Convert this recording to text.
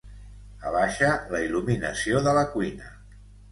Abaixa la il·luminació de la cuina.